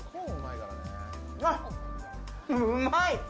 うまい！